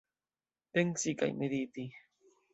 Pensi kaj mediti!